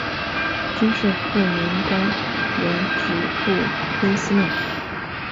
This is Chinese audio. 军事护民官原指步兵司令。